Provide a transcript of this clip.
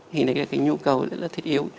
thì đấy là cái nhu cầu rất là thiết yếu